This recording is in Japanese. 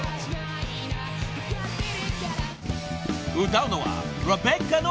［歌うのは］